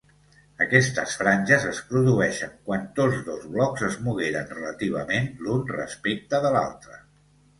Aquestes franges es produeixen quan tots dos blocs es mogueren relativament, l'un respecte de l'altre.